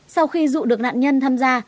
sau khi dụ được nạn nhân tham gia